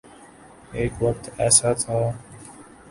ایک وقت ایسا تھا۔